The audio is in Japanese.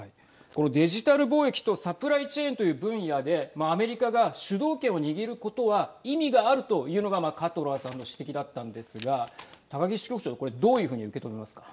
このデジタル貿易とサプライチェーンという分野でアメリカが主導権を握ることは意味があるというのがカトラーさんの指摘でしたが高木支局長、これどういうふうに受け止めますか。